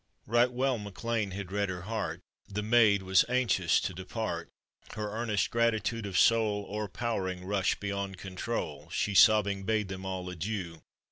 Right well Mac Lean had read her heart, The maid was anxious to depart; Her earnest gratitude of soul, O'erpowering rushed beyond control ; She sobbing bade them all adieu!